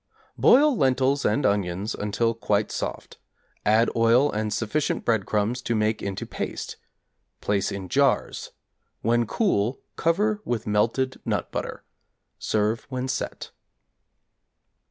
Boil lentils and onions until quite soft; add oil and sufficient breadcrumbs to make into paste; place in jars; when cool cover with melted nut butter; serve when set.